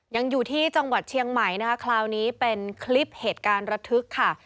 ยังอยู่ที่จังหวัดเชียงใหม่นะคะคราวนี้เป็นคลิปเหตุการณ์ระทึกค่ะ